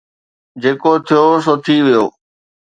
جيڪو ٿيو سو ٿي ويو